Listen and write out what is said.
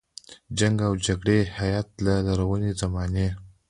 د جنګ او جګړې هیت له لرغونې زمانې.